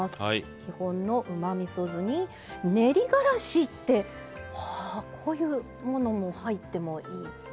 基本のうまみそ酢に練りがらしってこういうものも入ってもいい？